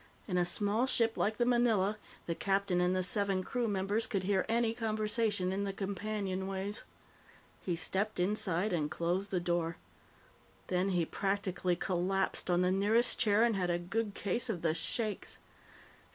In a small ship like the Manila, the captain and the seven crew members could hear any conversation in the companionways. He stepped inside and closed the door. Then he practically collapsed on the nearest chair and had a good case of the shakes.